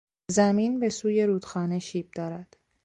زمین به سوی رودخانه شیب دارد.